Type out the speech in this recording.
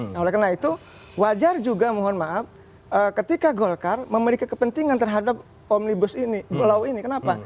nah oleh karena itu wajar juga mohon maaf ketika golkar memberikan kepentingan terhadap omnibus ini pulau ini kenapa